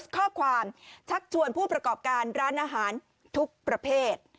ข้อความชักชวนผู้ประกอบการร้านอาหารทุกประเภท